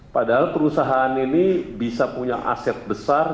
padahal perusahaan ini bisa punya aset besar